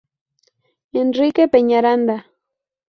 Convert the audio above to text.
Enrique Peñaranda.